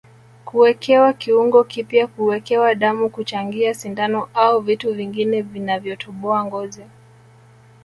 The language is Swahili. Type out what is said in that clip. Kuwekewa kiungo kipya Kuwekewa damu kuchangia sindano au vitu vingine vinavyotoboa ngozi